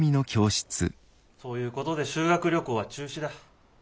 そういうことで修学旅行は中止だ。